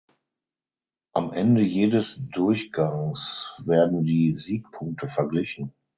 Am Ende jedes Durchgangs werden die Siegpunkte verglichen.